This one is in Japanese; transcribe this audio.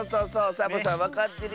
サボさんわかってるやん。